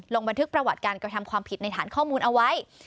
บันทึกประวัติการกระทำความผิดในฐานข้อมูลเอาไว้